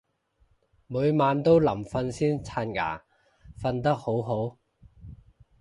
每晚都臨瞓先刷牙，瞓得好好